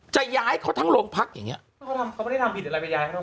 จะย้ายเขาทั้งโรงพักอย่างเงี้ยเขาไม่ได้ทำผิดอะไรไปย้ายเขา